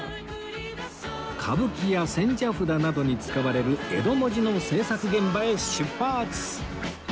歌舞伎や千社札などに使われる江戸文字の制作現場へ出発！